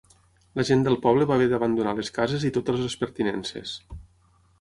La gent del poble va haver d'abandonar les cases i totes les pertinences.